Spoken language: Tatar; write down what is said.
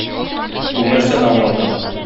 Ул нәрсәне аңлата?